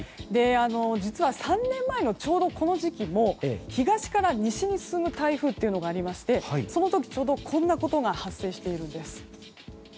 実は３年前のちょうどこの時期も東から西に進む台風というのがありましてその時ちょうど、こんなことが発生しているんです。